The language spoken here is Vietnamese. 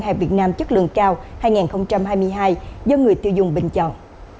hàng việt nam chất lượng cao hai nghìn hai mươi hai do người tiêu dùng bình chọn